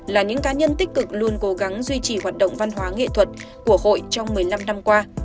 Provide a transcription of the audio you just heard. là những cá nhân tích cực luôn cố gắng duy trì hoạt động văn hóa nghệ thuật của hội trong một mươi năm năm qua